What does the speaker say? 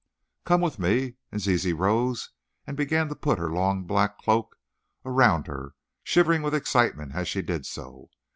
"Come with me," and Zizi rose and began to put her long black cloak round her, shivering with excitement as she did so.